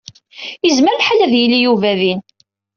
Yezmer lḥal ad yili Yuba din.